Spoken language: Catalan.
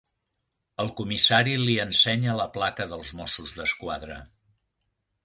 El comissari li ensenya la placa dels Mossos d'Esquadra.